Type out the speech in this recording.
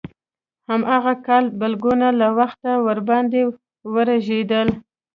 هماغه کال بلګونه له وخته وړاندې ورژېدل.